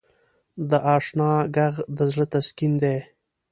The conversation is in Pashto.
د اشنا ږغ د زړه تسکین دی.